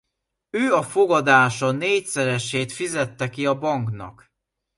Ő a fogadása négyszeresét fizeti ki a banknak.